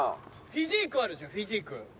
フィジークあるじゃんフィジーク。